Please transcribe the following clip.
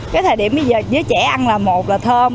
cái thời điểm bây giờ với trẻ ăn là một là thơm